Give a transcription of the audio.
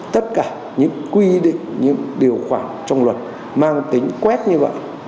tất cả những quy định những điều khoản trong luật mang tính quét như vậy